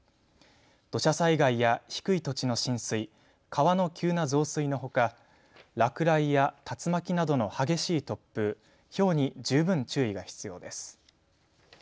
土砂災害や低い土地の浸水川の急な増水のほか落雷や竜巻などの激しい突風ひょうに十分注意が必要です。